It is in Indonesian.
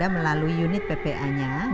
melalui unit ppa nya